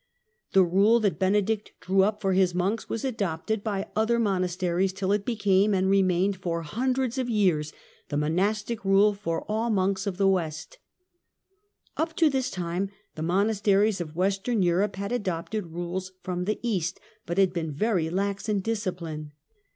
The rule that Benedict drew up for his monks was adopted by other monasteries till it became, and remained for hundreds of years, the monastic rule for all the monks of the west. The RegiOa Up to this time the monasteries of Western Europe Benedict na ^ adopted rules from the east, but had been very lax in discipline.